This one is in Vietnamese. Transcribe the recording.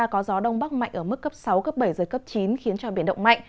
có gió đông bắc mạnh ở mức cấp sáu cấp bảy giật cấp chín khiến cho biển động mạnh